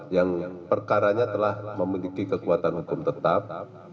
yang perkaranya telah memiliki kekuatan hukum tetap